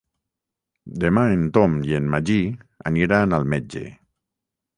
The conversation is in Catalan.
Demà en Tom i en Magí aniran al metge.